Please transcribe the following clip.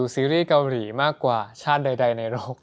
ซีรีส์เกาหลีมากกว่าชาติใดในโลก